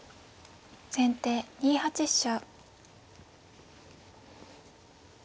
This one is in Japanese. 先手２八飛車。